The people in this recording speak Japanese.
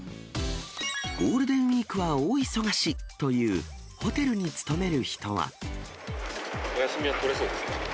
ゴールデンウィークは大忙しという、お休みは取れそうですか？